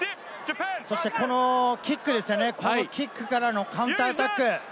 そしてこのキックですよね、キックからのカウンターアタック。